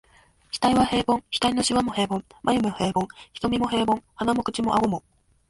額は平凡、額の皺も平凡、眉も平凡、眼も平凡、鼻も口も顎も、